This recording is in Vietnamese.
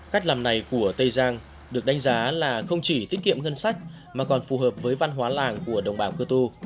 cách làm này của tây giang được đánh giá là không chỉ tiết kiệm ngân sách mà còn phù hợp với văn hóa làng của đồng bào cơ tu